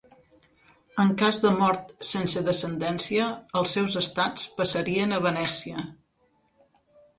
En cas de mort sense descendència els seus estats passarien a Venècia.